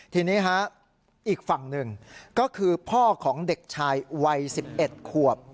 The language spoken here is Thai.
ทีนี้ฮะอีกฝั่งหนึ่งก็คือพ่อของเด็กชายวัย๑๑ขวบ